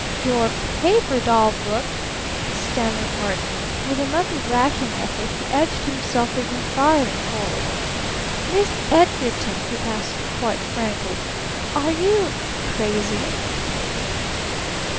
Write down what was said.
"Your PAPER DOLL BOOK?" stammered Barton. With another racking effort he edged himself even farther forward. "Miss Edgarton!" he asked quite frankly, "are you crazy?"